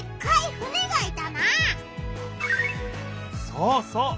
そうそう！